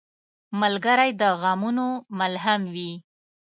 ملګری د غمونو ملهم وي.